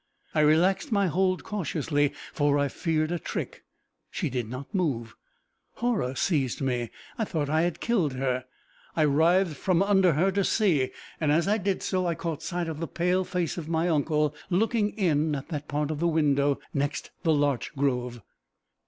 I relaxed my hold cautiously, for I feared a trick. She did not move. Horror seized me; I thought I had killed her. I writhed from under her to see. As I did so, I caught sight of the pale face of my uncle, looking in at that part of the window next the larch grove.